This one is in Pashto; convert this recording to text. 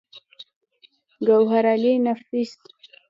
ګوهرعلي نفيس